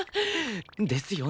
ですよ